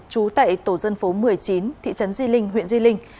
trú tại tổ dân phố một mươi chín thị trấn di linh huyện di linh